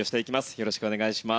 よろしくお願いします。